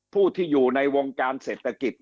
ผู้ที่อยู่ในวงการเศรษฐกิจ